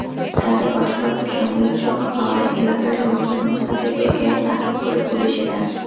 তাঁদের কথাবার্তা সন্দেহজনক হওয়ায় এলাকার লোকজন মোস্তাফিজুরকে আটক করে পুলিশে দেন।